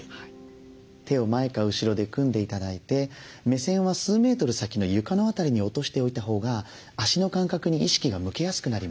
手を前か後ろで組んで頂いて目線は数メートル先の床の辺りに落としておいたほうが足の感覚に意識が向きやすくなります。